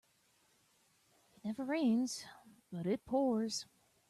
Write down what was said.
It never rains but it pours.